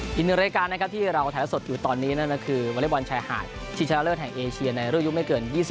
อย่างหนึ่งในรายการนะที่เราถ่ายกันจากแชร์สดอยู่ตอนนี้